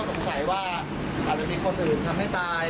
สงสัยว่าอาจจะมีคนอื่นทำให้ตาย